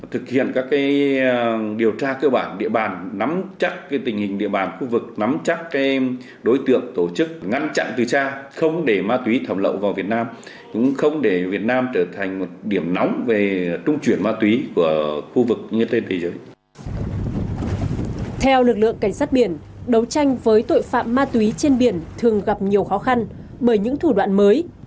theo lực lượng cảnh sát biển đấu tranh với tội phạm ma túy trên biển thường gặp nhiều khó khăn bởi những thủ đoạn mới